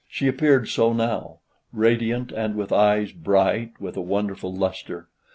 She appeared so now; radiant, and with eyes bright with a wonderful lustre.